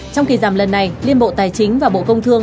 trong kỳ giảm lần này liên bộ tài chính và bộ công thương